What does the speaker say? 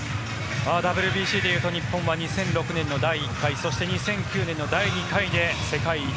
ＷＢＣでいうと日本は２００６年の第１回そして、２００９年の第２回で世界一。